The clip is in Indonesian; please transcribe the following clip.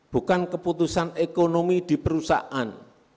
bukan keputusan ekonomi di perusahaan